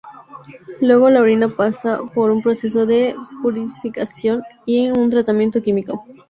Luego la orina pasa por un proceso de purificación y un tratamiento químico.